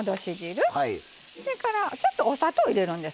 それからちょっとお砂糖を入れるんです。